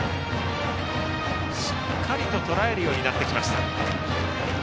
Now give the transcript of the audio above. しっかりととらえるようになってきました。